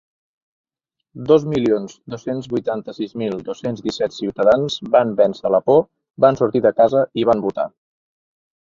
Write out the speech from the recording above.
Dos milions dos-cents vuitanta-sis mil dos-cents disset ciutadans van vèncer la por, van sortir de casa i van votar.